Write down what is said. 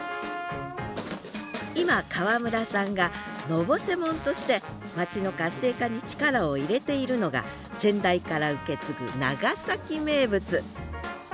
今川村さんが「のぼせもん」として街の活性化に力を入れているのが先代から受け継ぐ長崎名物